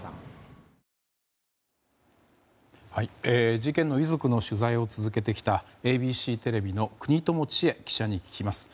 事件の遺族の取材を続けてきたＡＢＣテレビの國友千愛記者に聞きます。